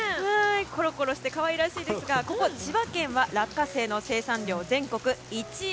コロコロして可愛らしいですがここ千葉県は落花生の生産量全国１位。